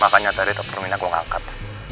makanya tadi top termina gua ngangkat